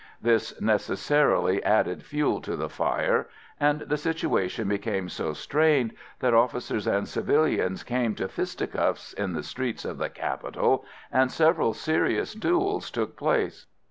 This necessarily added fuel to the fire; and the situation became so strained that officers and civilians came to fisticuffs in the streets of the capital, and several serious duels took place.